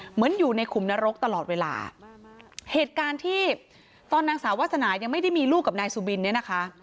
เหมือนอยู่ในขุมนรกตลอดเวลาเหตุการณ์ที่ตอนนางสาววาสนายังไม่ได้มีลูกกับนายสุบินเนี่ยนะคะ